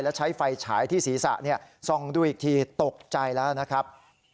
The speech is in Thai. และใช้ไฟฉายที่ศีรษะส่องดูอีกทีตกใจแล้วนะครับ